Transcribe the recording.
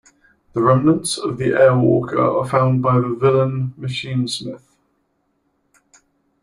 The remnants of the Air-Walker are found by the villain Machinesmith.